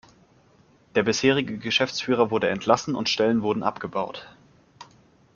Der bisherige Geschäftsführer wurde entlassen und Stellen wurden abgebaut.